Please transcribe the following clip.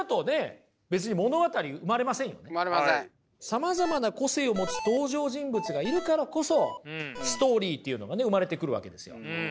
さまざまな個性を持つ登場人物がいるからこそストーリーっていうのがね生まれてくるわけですよ。